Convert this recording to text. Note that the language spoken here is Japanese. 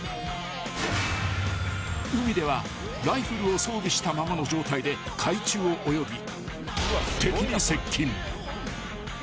［海ではライフルを装備したままの状態で海中を泳ぎ］